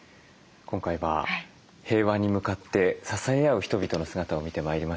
今回は平和に向かって支え合う人々の姿を見てまいりました。